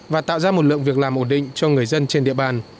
và tạo ra một lượng việc làm ổn định cho người dân trên địa bàn